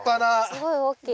すごい大きい。